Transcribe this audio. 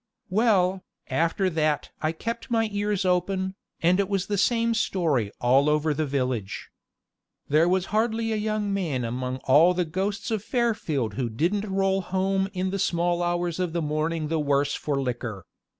Well, after that I kept my ears open, and it was the same story all over the village. There was hardly a young man among all the ghosts of Fairfield who didn't roll home in the small hours of the morning the worse for liquor.